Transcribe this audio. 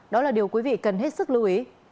đó là điều quý vị cần hết sức lưu ý